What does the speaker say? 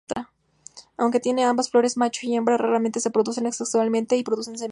Aunque tiene ambas flores macho y hembra, raramente se reproducen sexualmente y producen semilla.